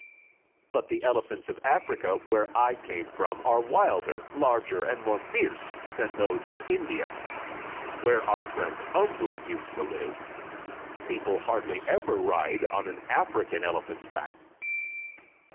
But the elephants of Africa, where I came from, are wilder, larger and more fierce than those of India, where our friend Umboo used to live. People hardly ever ride on an African elephant's back."